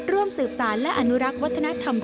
ร่วมสืบสารและอนุรักษ์วัฒนธรรม